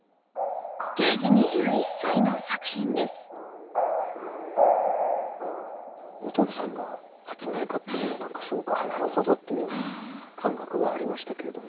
ケージ２１歳の作品ですお父さんが発明家っていうのも何かすごくなるほどっていう感覚がありましたけれども。